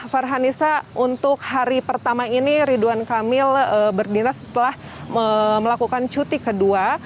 farhanisa untuk hari pertama ini ridwan kamil berdinas setelah melakukan cuti kedua